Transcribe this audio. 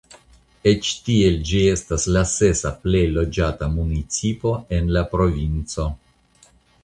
Eĉ tiel ĝi estas la sesa plej loĝata municipo en la provinco.